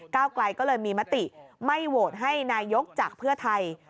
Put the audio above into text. ไกลก็เลยมีมติไม่โหวตให้นายกจากเพื่อไทย